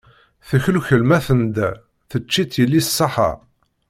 Teklukel ma tenda, tečč-itt yelli ṣṣaḥḥa.